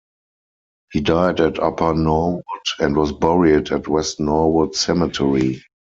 He died at Upper Norwood, and was buried at West Norwood Cemetery.